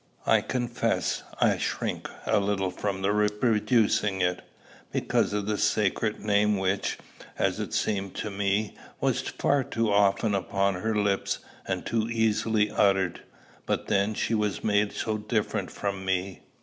I confess I shrink a little from reproducing it, because of the sacred name which, as it seemed to me, was far too often upon her lips, and too easily uttered. But then, she was made so different from me!